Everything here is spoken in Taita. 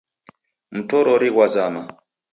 Mtorori ghwazama